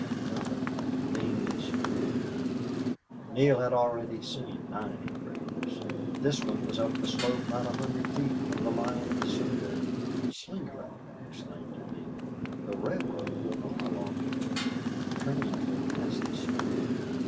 Another nameless grave! Neale had already seen nine graves. This one was up the slope not a hundred feet from the line of survey. "Slingerland," exclaimed Neale, "the railroad will run along there! Trains will pass this spot.